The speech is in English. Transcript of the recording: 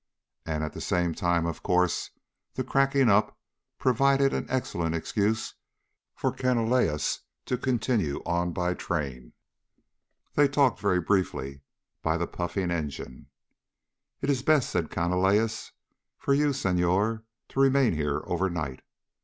And at the same time, of course, the cracking up provided an excellent excuse for Canalejas to continue on by train. They talked very briefly by the puffing engine. "It is best," said Canalejas, "for you, Senhor, to remain here overnight.